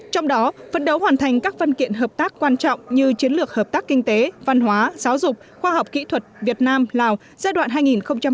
trong đó phân đấu hoàn thành các văn kiện hợp tác quan trọng như chiến lược hợp tác kinh tế văn hóa giáo dục khoa học kỹ thuật việt nam lào giai đoạn hai nghìn một mươi sáu hai nghìn hai mươi